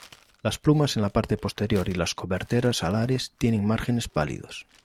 Las plumas en la parte posterior y las coberteras alares tienen márgenes pálidos.